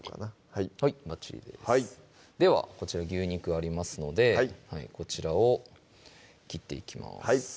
はいばっちりですではこちら牛肉ありますのでこちらを切っていきます